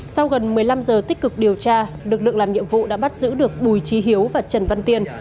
sau gần một mươi năm giờ tích cực điều tra lực lượng làm nhiệm vụ đã bắt giữ được bùi trí hiếu và trần văn tiên